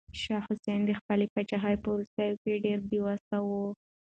شاه حسين د خپلې پاچاهۍ په وروستيو کې ډېر بې وسه و.